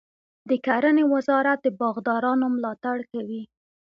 د کرنې وزارت د باغدارانو ملاتړ کوي.